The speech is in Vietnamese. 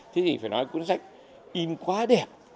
thế thì phải nói cuốn sách im quá đẹp